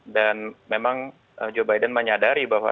dan memang joe biden menyadari bahwa